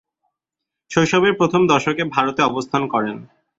শৈশবের প্রথম দশকে ভারতে অবস্থান করেন।